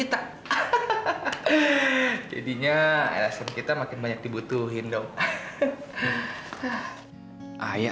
terima kasih banyak banyak